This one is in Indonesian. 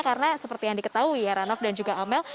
karena seperti yang diketahui heranov dan juga amel